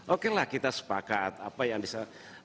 oke lah kita sepakat apa yang disampaikan